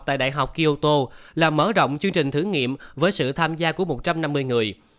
tại đại học kioto là mở rộng chương trình thử nghiệm với sự tham gia của một trăm năm mươi người